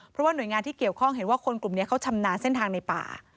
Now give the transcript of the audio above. เพราะว่าหน่วยงานที่เกี่ยวข้องเห็นว่าคนกลุ่มนี้เขาชำนาญเส้นทางในป่า